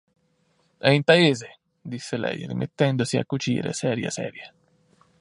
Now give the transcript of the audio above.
È in paese, – disse lei, rimettendosi a cucire seria seria.